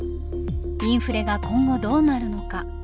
インフレが今後どうなるのか。